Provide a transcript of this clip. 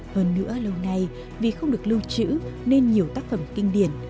hơn nữa lâu nay vì không được lưu trữ nên nhiều tác phẩm kinh điển